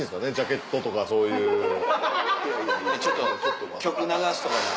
ちょっと曲流すとかでも。